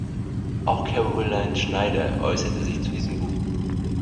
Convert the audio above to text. Auch Caroline Schnyder äußerte sich zu diesem Buch.